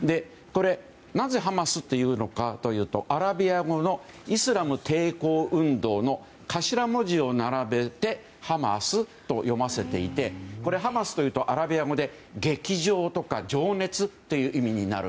なぜハマスというのかというとアラビア語のイスラム抵抗運動の頭文字を並べてハマスと読ませていてハマスというとアラビア語で激情とか情熱っていう意味になる。